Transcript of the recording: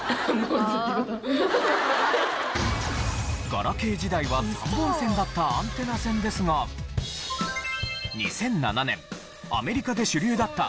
ガラケー時代は３本線だったアンテナ線ですが２００７年アメリカで主流だった